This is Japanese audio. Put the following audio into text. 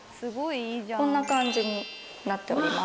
こんな感じになっております。